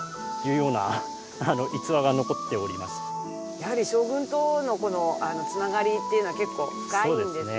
やはり将軍との繋がりっていうのが結構深いんですね。